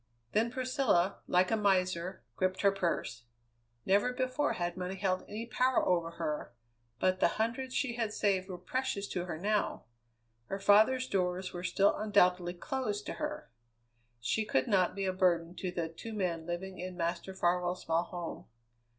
Then Priscilla, like a miser, gripped her purse. Never before had money held any power over her, but the hundreds she had saved were precious to her now. Her father's doors were still, undoubtedly, closed to her. She could not be a burden to the two men living in Master Farwell's small home.